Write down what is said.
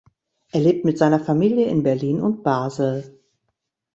Er lebt mit seiner Familie in Berlin und Basel.